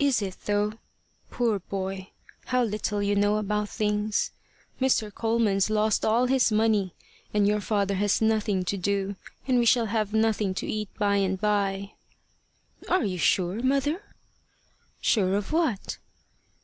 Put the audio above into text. "Is it though? Poor boy! how little you know about things! Mr. Coleman's lost all his money, and your father has nothing to do, and we shall have nothing to eat by and by." "Are you sure, mother?" "Sure of what?"